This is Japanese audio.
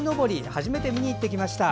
初めて見に行ってきました。